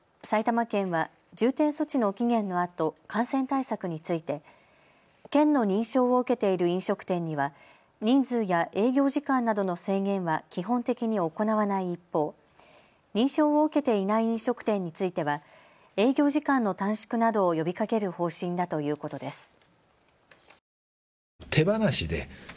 埼玉県は重点措置の期限のあと、感染対策について県の認証を受けている飲食店には人数や営業時間などの制限は基本的に行わない一方、認証を受けていない飲食店については営業時間の短縮などを呼びかける方針だということです。